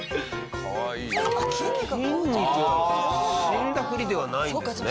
死んだふりではないんですね。